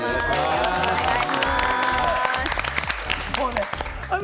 よろしくお願いします。